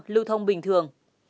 lưu thông bình thường